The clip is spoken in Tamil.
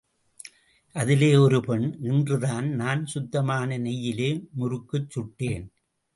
அதிலே ஒரு பெண், இன்றுதான் நான் சுத்தமான நெய்யிலே முருக்குச் சுட்டேன்.